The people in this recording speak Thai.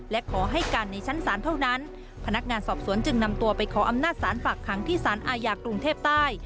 และขอให้การในชั้นศาลเท่านั้นพนักงานสอบสวนจึงนำตัวไปขออำนาจสารฝากขังที่สารอาญากรุงเทพใต้